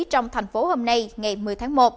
trong thành phố hôm nay ngày một mươi tháng một